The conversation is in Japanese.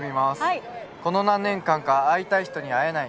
この何年間か会いたい人に会えない。